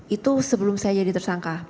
itu sebelum saya jadi tersangka